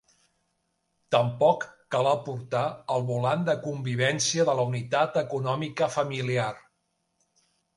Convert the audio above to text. Tampoc cal aportar el volant de convivència de la unitat econòmica familiar.